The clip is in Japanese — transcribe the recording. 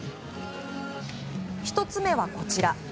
１つ目は、こちら。